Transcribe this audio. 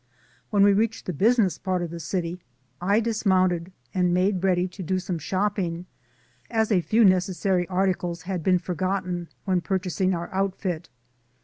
When we reached the business part of the city, I dismounted and made ready to do some shopping, as a few necessary articles DAYS ON THE ROAD. 19 had been forgotten when purchasing our out fit.